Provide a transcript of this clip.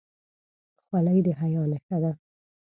خولۍ د حیا نښه ده.